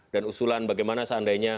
dan usulan bagaimana seandainya